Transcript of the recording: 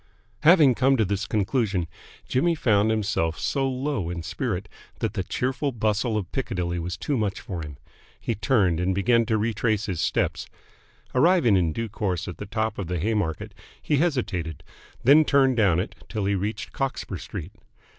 Having come to this conclusion, Jimmy found himself so low in spirit that the cheerful bustle of Piccadilly was too much for him. He turned, and began to retrace his steps. Arriving in due course at the top of the Haymarket he hesitated, then turned down it till he reached Cockspur Street.